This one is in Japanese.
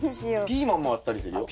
ピーマンもあったりするよ。